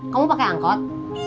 kamu pake angkot